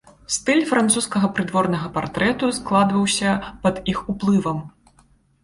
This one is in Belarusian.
Стыль французскага прыдворнага партрэту складваўся пад іх уплывам.